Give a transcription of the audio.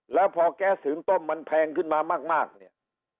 แล้วพอแก๊สหึงต้มมันแพงขึ้นมามากเนี่ย